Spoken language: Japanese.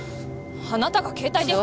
あなたが携帯電話。